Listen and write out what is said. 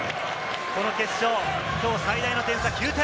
この決勝、きょう最大の点差、９点。